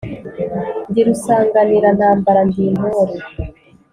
Ndi Rusanganira ntambara ndi intore